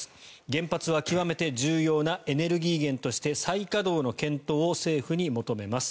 原発は極めて重要なエネルギー源として再稼働の検討を政府に求めます。